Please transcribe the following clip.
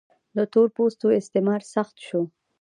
د تور پوستو استثمار سخت شو.